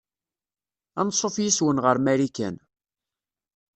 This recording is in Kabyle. Anṣuf yes-wen ɣer Marikan.